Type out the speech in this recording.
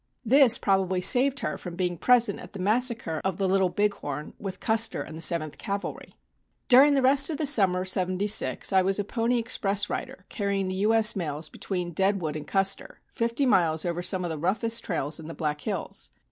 This probably saved her from being present at the massacre of the Little Big Horn with Custer and the 7th Cavalry. "During the rest of the summer of '76 I was a pony express rider, carrying the U. S. mails between Deadwood and Custer, fifty miles over some of the roughest trails in the Black Hills.